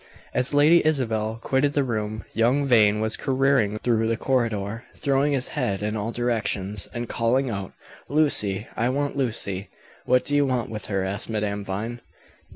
As Lady Isabel quitted the room, young Vane was careering through the corridor, throwing his head in all directions, and calling out, "Lucy! I want Lucy!" "What do you want with her?" asked Madame Vine.